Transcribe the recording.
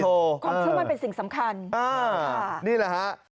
ความเชื่อมันเป็นสิ่งสำคัญนี่แหละฮะ